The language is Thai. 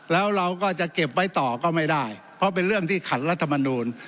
แล้วเราก็จะเก็บไว้ต่อก็ไม่ได้เพราะเป็นเรื่องที่ขัดรัฐมนูล